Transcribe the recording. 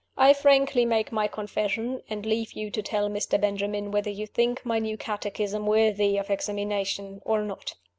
I frankly make my confession, and leave you to tell Mr. Benjamin whether you think my new Catechism worthy of examination or not."